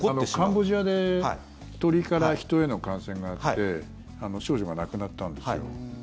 カンボジアで鳥から人への感染があって少女が亡くなったんですよ。